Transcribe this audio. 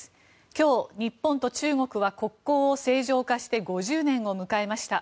今日、日本と中国は国交を正常化して５０年を迎えました。